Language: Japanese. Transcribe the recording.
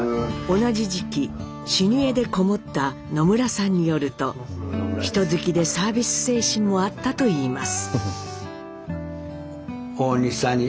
同じ時期修二会で籠もった野村さんによると人好きでサービス精神もあったといいます。